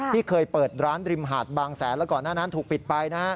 ที่เคยเปิดร้านริมหาดบางแสนแล้วก่อนหน้านั้นถูกปิดไป